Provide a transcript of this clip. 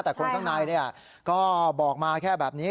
แต่คนข้างในก็บอกมาแค่แบบนี้